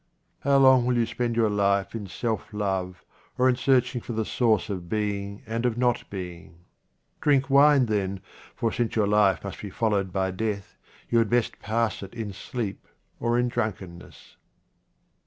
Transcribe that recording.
How long will you spend your life in self love, or in searching for the source of being and of not being ? Drink wine, then, for since your life must be followed by death, you had best pass it in sleep or in drunkenness.